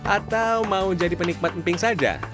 atau mau jadi penikmat emping saja